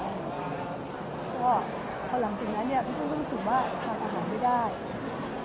ก็พอหลังจากนั้นนี่ปฏิกิจริงว่าทานอาหารไม่ได้